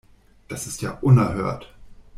Das ist ja unerhört.